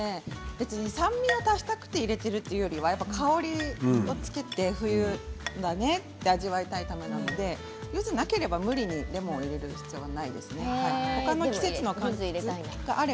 酸味を足したくて入れているというよりは香りをつけて味わいたいのでなければ無理にレモンを入れる必要はないですね。